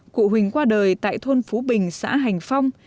cụ huỳnh qua đời tại thôn phú bình xã hành phong